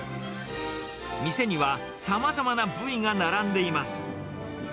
店にはさまざまな部位が並んでいます。